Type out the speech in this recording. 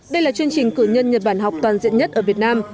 đây là chương trình cử nhân nhật bản học toàn diện nhất ở việt nam